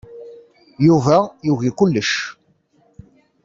Yuba yugi kullec.